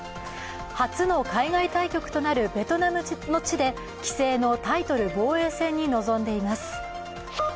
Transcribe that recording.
初の海外対局となるベトナムの地で棋聖のタイトル防衛戦に臨んでいます。